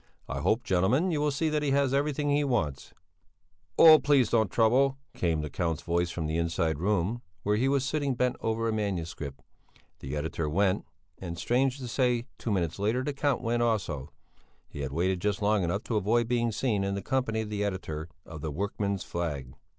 I hope, gentlemen, you will see that he has everything he wants." "Oh, please don't trouble," came the Count's voice from inside the room, where he was sitting bent over a manuscript. The editor went and, strange to say, two minutes later the Count went also; he had waited just long enough to avoid being seen in the company of the editor of the Workman's Flag.